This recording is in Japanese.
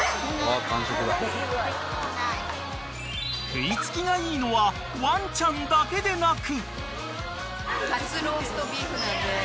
［食い付きがいいのはワンちゃんだけでなく］